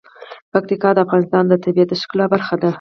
پکتیکا د افغانستان د طبیعت د ښکلا برخه ده.